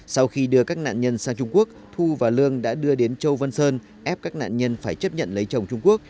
sau khi đưa các nạn nhân sang trung quốc thu và lương đã đưa đến châu văn sơn ép các nạn nhân phải chấp nhận lấy chồng trung quốc